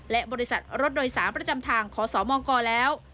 และบริษัทรถโดยสารประจำทางขอสมกแล้ว